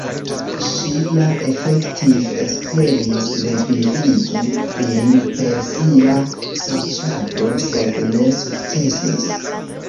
Ŝi ja efektive esperis revivigi lin per sia sorĉado, sed ne sukcesis.